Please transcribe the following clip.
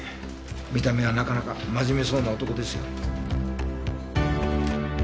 見た目はなかなか真面目そうな男ですよ。